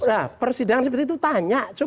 nah persidangan seperti itu tanya